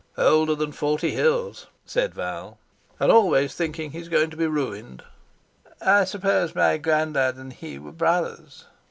"Older than forty hills," said Val, "and always thinking he's going to be ruined." "I suppose my granddad and he were brothers."